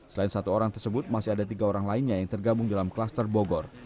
selain satu orang tersebut masih ada tiga orang lainnya yang tergabung dalam kluster bogor